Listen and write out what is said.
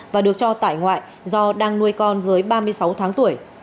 và được cho tại ngoại do đang nuôi con dưới ba mươi sáu tháng tuổi